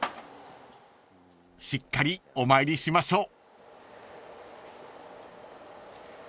［しっかりお参りしましょう］